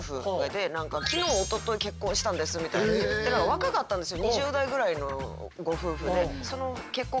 若かったんですよ。